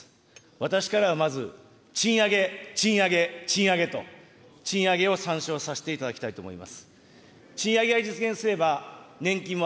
私からはまず、賃上げ、賃上げ、賃上げと、賃上げをさんしょうさせていただきたいと思います。